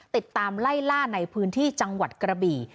ติดตามไล่ล่าในพื้นที่จังหวัดกระบี่